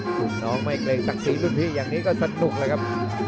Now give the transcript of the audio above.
ลูกน้องไม่เกรงศักดิ์ศรีรุ่นพี่อย่างนี้ก็สนุกเลยครับ